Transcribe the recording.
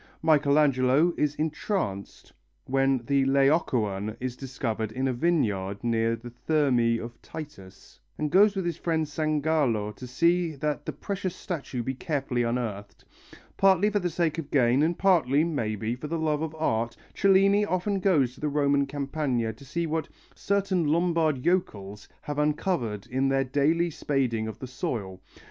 Michelangelo is entranced when the Laocoön is discovered in a vineyard near the Thermæ of Titus, and goes with his friend Sangallo to see that the precious statue be carefully unearthed. Partly for the sake of gain, and partly, maybe, for the love of art, Cellini often goes to the Roman Campagna to see what "certain Lombard yokels" have uncovered in their daily spading of the soil.